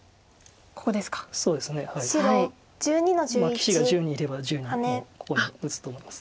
棋士が１０人いれば１０人ここに打つと思います。